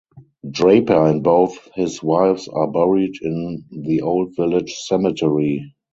Draper and both his wives are buried in the Old Village Cemetery.